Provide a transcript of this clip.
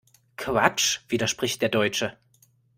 Quatsch!, widerspricht der Deutsche.